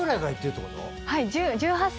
はい。